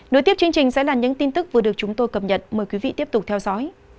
nối tiếp chương trình sẽ là những tin tức vừa được chúng tôi cập nhật mời quý vị tiếp tục theo dõi